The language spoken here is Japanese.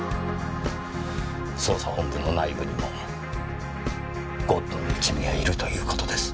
捜査本部の内部にもゴッドの一味がいるという事です。